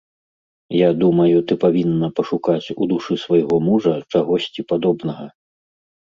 Я думаю, ты павінна пашукаць у душы свайго мужа чагосьці падобнага.